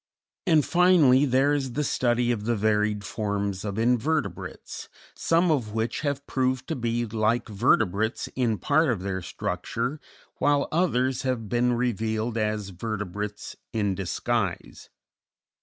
And, finally, there is the study of the varied forms of invertebrates, some of which have proved to be like vertebrates in part of their structure, while others have been revealed as vertebrates in disguise.